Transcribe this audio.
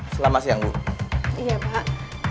selamat siang bu iya pak